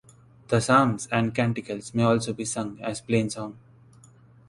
The psalms and canticles may also be sung as plainsong.